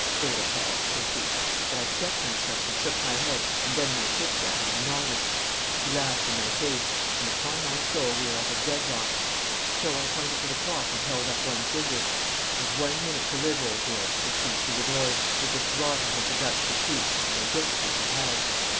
'Go to hell,' says he. But I struck myself and shook my head and then my fist at him and nodded. He laughed in my face; and upon my soul we were at a deadlock. So I pointed to the clock and held up one finger. 'I've one minute to live, old girl,' says he through the doors, 'if this rotter has the guts to shoot, and I don't think he has.